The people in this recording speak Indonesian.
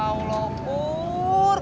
masya allah pur